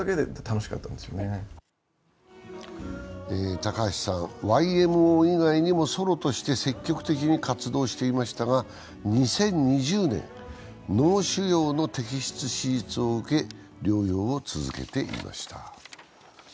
高橋さん、ＹＭＯ以外にもソロとして積極的に活動していましたが２０２０年、脳腫瘍の摘出手術を受け療養を続けていました。